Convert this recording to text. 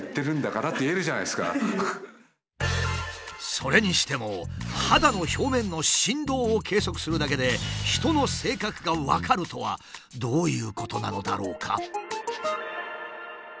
それにしても肌の表面の振動を計測するだけで人の性格が分かるとはどういうことなのだろうか？